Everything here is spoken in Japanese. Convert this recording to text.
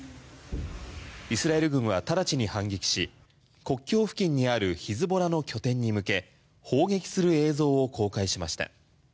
イスラエル軍は直ちに反撃し国境付近にあるヒズボラの拠点に向け砲撃する映像を公開しました。